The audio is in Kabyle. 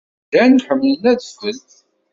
Igerdan ḥemmlen adfel.